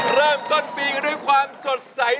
เริ่มต้นปีกันด้วยความสดใส